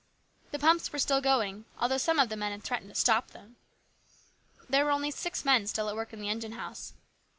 The pumps were still going, although some of the men had threatened to stop them. There were only six men still at work in the engine house.